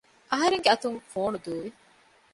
އަހަރެންގެ އަތުން ފޯނު ދޫވި